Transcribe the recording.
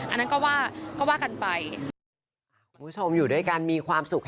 อันนั้นก็ว่ากันไป